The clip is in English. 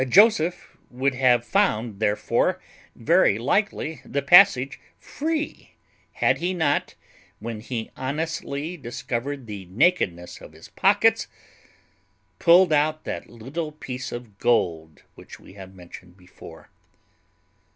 Joseph would have found, therefore, very likely the passage free, had he not, when he honestly discovered the nakedness of his pockets, pulled out that little piece of gold which we have mentioned before.